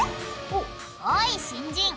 おい新人。